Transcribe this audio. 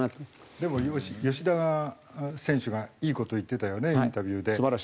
でも吉田選手がいい事言ってたよねインタビューで。